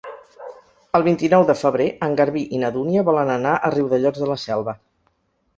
El vint-i-nou de febrer en Garbí i na Dúnia volen anar a Riudellots de la Selva.